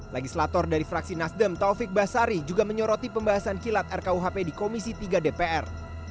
legislator dari fraksi nasdem taufik basari juga menyoroti pembahasan kilat rkuhp di komisi tiga dpr